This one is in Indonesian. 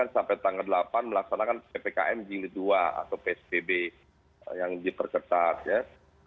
sampai tanggal delapan melaksanakan ppkm jilid dua atau psbb yang diperketat ya